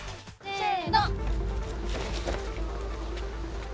せの。